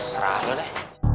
serah lo deh